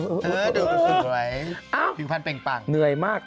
ดูสิดูไว้พิงพันเป็นกันเนื่อยมาก